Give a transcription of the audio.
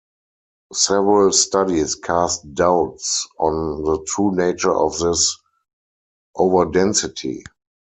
Several studies cast doubts on the true nature of this overdensity.